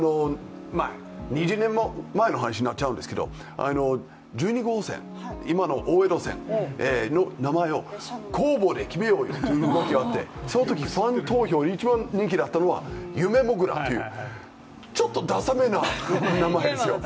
２０年前の話になっちゃうんですけど、１２号線、今の大江戸線の名前を公募で決めようよという動きがあってそのときファン投票、一番人気だったのは夢もぐらっていう、ちょっとダサめな名前ですよ。